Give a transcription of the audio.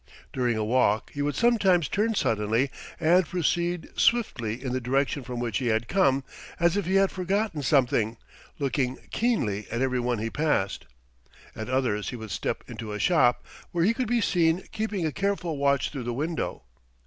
During a walk he would sometimes turn suddenly and proceed swiftly in the direction from which he had come, as if he had forgotten something, looking keenly at every one he passed. At others he would step into a shop, where he could be seen keeping a careful watch through the window.